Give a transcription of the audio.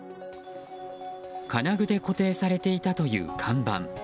金具で固定されていたという看板。